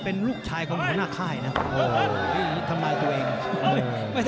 เป็นลูกชายของครัวหน้าค่ายนะ